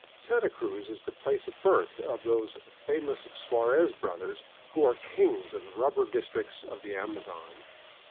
Santa Cruz is the place of birth of those famous Suarez brothers who are kings of the rubber districts of the Amazon.